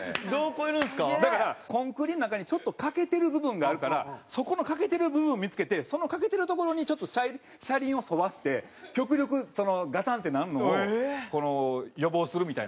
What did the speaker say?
だからコンクリの中にちょっと欠けてる部分があるからそこの欠けてる部分を見付けてその欠けてる所にちょっと車輪を沿わせて極力ガタンってなるのを予防するみたいな。